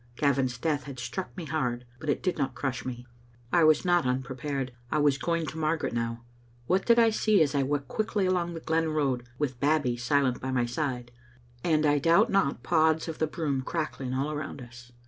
Gavin's death had struck me hard, but it did not crush me. I was not unprepared. I was going to Margaret now. What did I see as I walked quickly along the glen road, with Babbie silent by my side, and I doubt not pods of the broom cracking all around us?